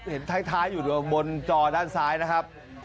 เห็นท้ายอยู่บนจอด้านซ้ายนะครับ